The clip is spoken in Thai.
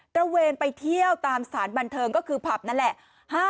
ระเวนไปเที่ยวตามสถานบันเทิงก็คือผับนั่นแหละ